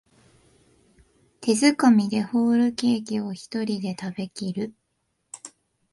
手づかみでホールケーキをひとりで食べきる